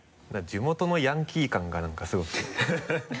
地元のヤンキー感が何かすごくて